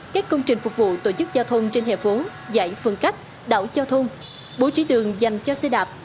các công trình phục vụ tổ chức giao thông trên hệ phố giải phân cách đảo giao thông bố trí đường dành cho xe đạp